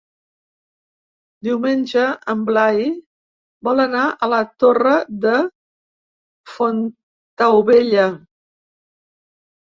Diumenge en Blai vol anar a la Torre de Fontaubella.